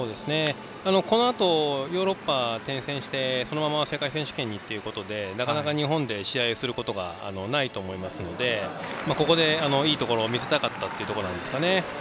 このあとヨーロッパを転戦してそのまま世界選手権にということでなかなか日本で試合をすることがないと思いますのでここでいいところを見せたかったところでしょうね。